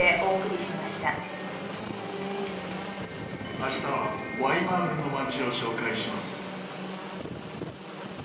明日はワイマールの街を紹介します。